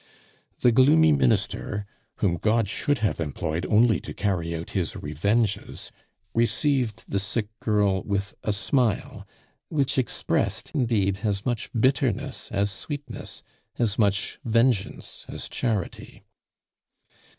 The gloomy minister, whom God should have employed only to carry out His revenges, received the sick girl with a smile, which expressed, indeed, as much bitterness as sweetness, as much vengeance as charity.